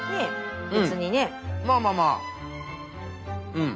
うん。